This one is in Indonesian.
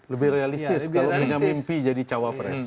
lebih realistis kalau punya mimpi jadi cawapres